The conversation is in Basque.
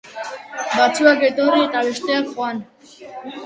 Batzuk etorri eta besteak joan.